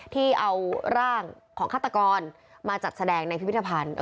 ที่เอาร่างของฆาตกรมาจัดแสดงในพิพิธภัณฑ์